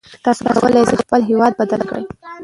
تاسو کولای شئ خپل هېواد بدل کړئ.